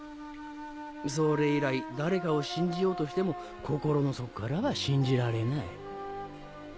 それ以来誰かを信じようとしても心の底からは信じられない。